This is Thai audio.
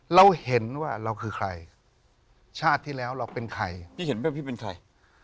เราเห็นว่าเราคือใครชาติที่แล้วเราเป็นใครพี่เห็นป่ะพี่เป็นใคร